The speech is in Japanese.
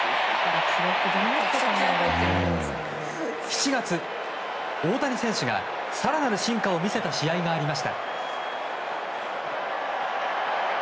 ７月、大谷選手が更なる進化を見せた試合がありました。